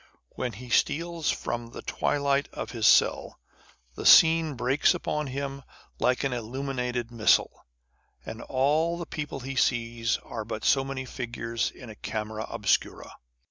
When he steals from the twilight of his cell, the scene breaks upon him like an illuminated missal, and all the people he sees are but so many figures in a camera obscura.